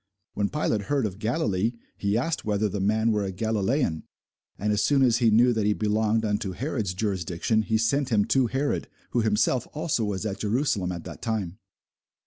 When Pilate heard of Galilee, he asked whether the man were a Galilæan. And as soon as he knew that he belonged unto Herod's jurisdiction, he sent him to Herod, who himself also was at Jerusalem at that time.